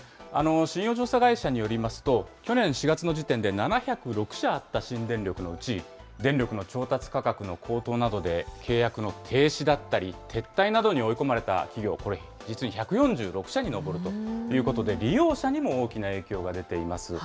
信用調査会社によりますと、去年４月の時点で７０６社あった新電力のうち、電力の調達価格の高騰などで契約の停止だったり撤退などに追い込まれた企業、これ実に１４６社に上るということで、利用者にも大きな影響が出ています。